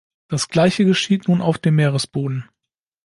Das gleiche geschieht nun auf dem Meeresboden.